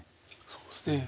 そうですね。